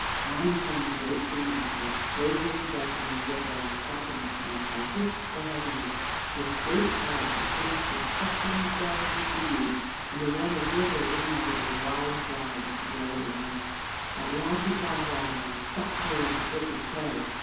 On came the great sea monster, lazily breasting the ripple and stopping at times by creek or headland. His great sides were fringed with clustering shells and seaweeds, and the water gurgled in and out of his wide jaws as he rolled along. At last he saw Andromeda and shot forward to take his prey.